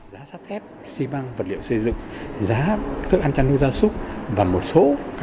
giá sắt thép xi băng vật liệu xây dựng giá thức ăn chăn nước da súc và một số các sản phẩm hàng hóa đều tăng giá cả